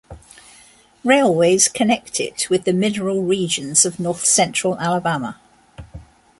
Railways connect it with the mineral regions of north-central Alabama.